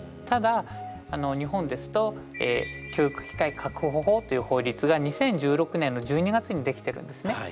ただ日本ですと教育機会確保法という法律が２０１６年の１２月にできてるんですね。